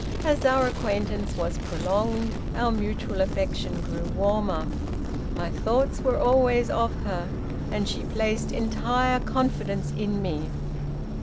As our acquaintance was prolonged, our mutual affection grew warmer. My thoughts were always of her, and she placed entire confidence in me.